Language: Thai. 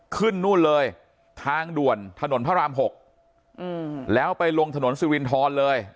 ขึ้นนู่นเลยทางด่วนถนนพระราม๖แล้วไปลงถนนสิรินทรเลย